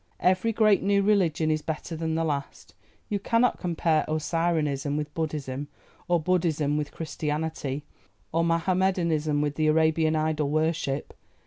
Every great new religion is better than the last. You cannot compare Osirianism with Buddhism, or Buddhism with Christianity, or Mahomedanism with the Arabian idol worship.